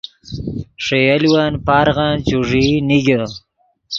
ݰے یولون پارغن چوݱیئی نیگے